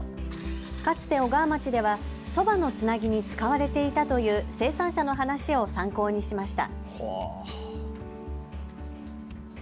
かつて小川町ではそばのつなぎに使われていたという生産者の話を参考にしました。